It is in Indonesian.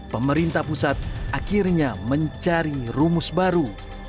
pemerintah pusat akhirnya mencari rumus baru